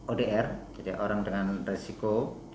odr jadi orang dengan resiko